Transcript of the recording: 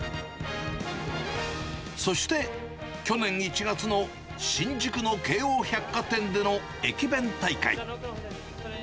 そして、去年１月の新宿の京王百貨店での駅弁大会。